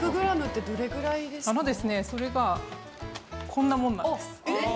それがこんなもんなんです。